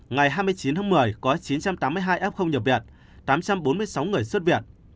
ngày hai mươi chín tháng một mươi có chín trăm tám mươi hai f nhập viện tám trăm bốn mươi sáu người xuất viện